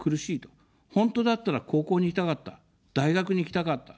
本当だったら高校に行きたかった、大学に行きたかった。